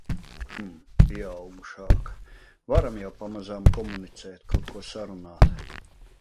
Hmm... pieaugušāka. Varam jau pamazām komunicēt, kaut ko sarunāt.